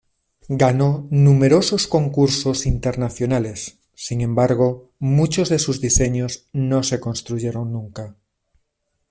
Ganó numerosos concursos internacionales, sin embargo, muchos de sus diseños no se construyeron nunca.